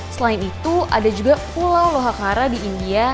selain itu ada juga pulau lohakara di india